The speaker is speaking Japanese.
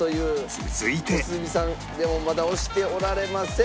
続いてでもまだ押しておられません。